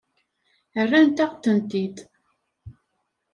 Rrant-aɣ-tent-id.